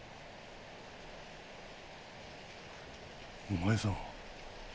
お前さん。